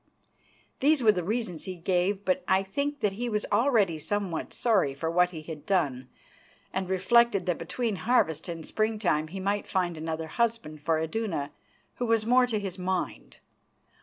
These were the reasons he gave, but I think that he was already somewhat sorry for what he had done, and reflected that between harvest and springtime he might find another husband for Iduna, who was more to his mind.